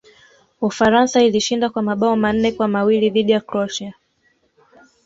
ufaransa ilishinda kwa mabao manne kwa mawili dhidi ya croatia